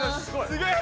すごい。